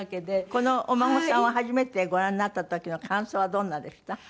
このお孫さんを初めてご覧になった時の感想はどんなでした？